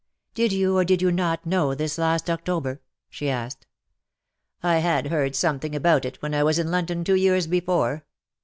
"Did jou, or did you not, know this last October ?" she asked. " I had heard something about it when I was in London two years before."